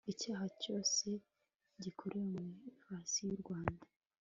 Icyaha cyose gikorewe mu ifasi y u Rwanda